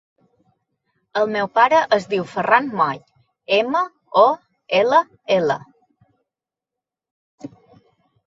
El meu pare es diu Ferran Moll: ema, o, ela, ela.